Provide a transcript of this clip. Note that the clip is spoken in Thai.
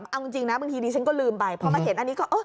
เอาจริงนะบางทีดิฉันก็ลืมไปพอมาเห็นอันนี้ก็เออ